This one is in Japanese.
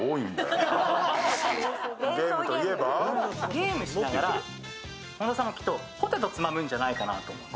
ゲームしながら本田さんはきっとポテトをつまむんじゃないかと。